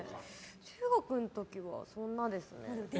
中学の時はそんなですね。